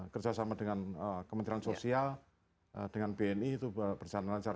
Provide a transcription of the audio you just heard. kerjasama dengan kementerian sosial dengan bni itu berjalan lancar